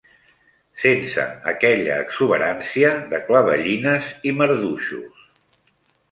Sense aquella exuberància de clavellines i marduixos